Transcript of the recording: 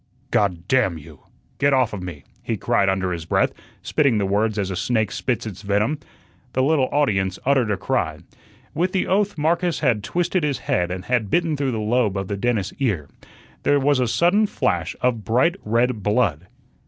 "God damn you! get off of me," he cried under his breath, spitting the words as a snake spits its venom. The little audience uttered a cry. With the oath Marcus had twisted his head and had bitten through the lobe of the dentist's ear. There was a sudden flash of bright red blood.